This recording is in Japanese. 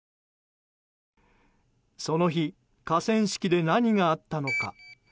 その日河川敷で何があったのか。